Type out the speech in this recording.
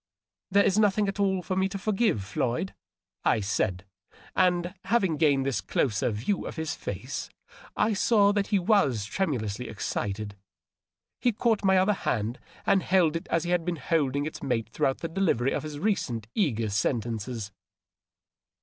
" There is nothing at all for me to foi^ive, Floyd," I said ; and having gained this closer view of his face I saw that he was tremu lously excited. He caught my other hand and held it as he had been holding its mate throughout the delivery of his recent eager sentences.